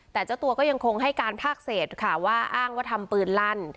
แต่เจ้าตัวก็ยังคงให้การภาคเศษค่ะว่าอ้างว่าทำปืนลั่น